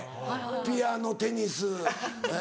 ピアノテニスえ